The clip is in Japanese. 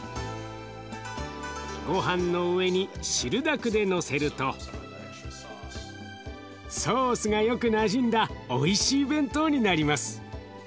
ごはんの上に汁だくでのせるとソースがよくなじんだおいしい弁当になります。